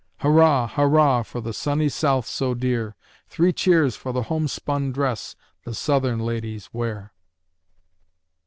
Hurrah, hurrah! For the sunny South so dear. Three cheers for the homespun dress The Southern ladies wear.